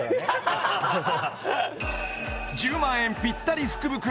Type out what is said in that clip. １０万円ぴったり福袋